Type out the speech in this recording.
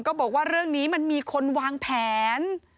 ก็บอกว่าเรื่องนี้มันมีคนวางแผน